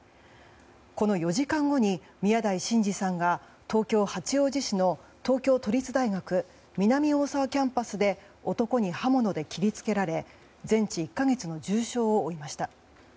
この４時間後に宮台真司さんが東京・八王子市の東京都立大学南大沢キャンパスで男に刃物で切り付けられ全治１か月の重傷を負いました。